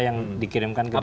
yang dikirimkan ke dpr